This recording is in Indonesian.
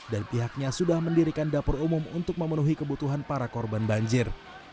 dan pihaknya sudah mendirikan dapur umum untuk memenuhi kebutuhan para korban banjir